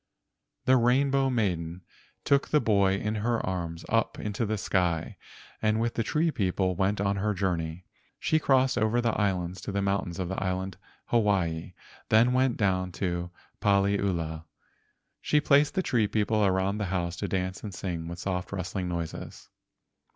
The Rainbow Maiden took the boy in her arms up into the sky, and with the tree people went on her journey. She crossed over the islands to the mountains of the island Hawaii, then went down to find Paliula. She placed the tree people around the house to dance and sing with soft rustling noises.